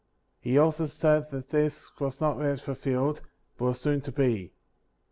He also' said that this was not yet fulfilled, but was soon ta be.